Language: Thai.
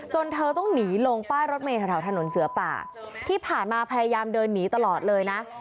เธอต้องหนีลงป้ายรถเมย์แถวถนนเสือป่าที่ผ่านมาพยายามเดินหนีตลอดเลยนะ